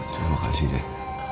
terima kasih jay